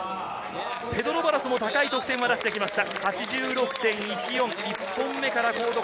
ペドロ・バロスも高い得点を出してきました。